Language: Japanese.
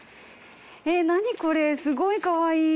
何これすごいかわいい。